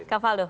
iya kak faldo